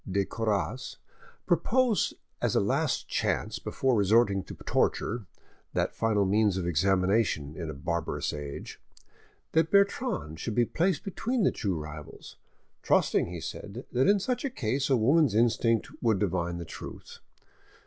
de Coras, proposed as a last chance before resorting to torture, that final means of examination in a barbarous age, that Bertrande should be placed between the two rivals, trusting, he said, that in such a case a woman's instinct would divine the truth.